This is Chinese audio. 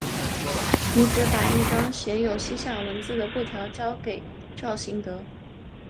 女子把一张写有西夏文字的布条交给赵行德。